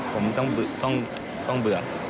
ผมต้องเบื่อ